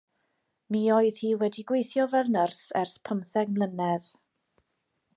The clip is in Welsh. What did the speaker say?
Mi oedd hi wedi gweithio fel nyrs ers pymtheg mlynedd.